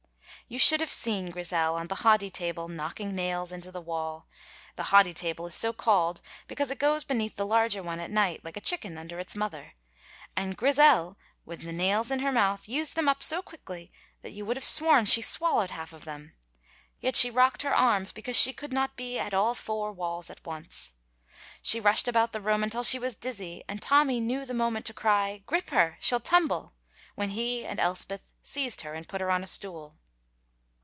You should have seen Grizel on the hoddy table knocking nails into the wall. The hoddy table is so called because it goes beneath the larger one at night, like a chicken under its mother, and Grizel, with the nails in her mouth, used them up so quickly that you would have sworn she swallowed half of them; yet she rocked her arms because she could not be at all four walls at once. She rushed about the room until she was dizzy, and Tommy knew the moment to cry "Grip her, she'll tumble!" when he and Elspeth seized her and put her on a stool.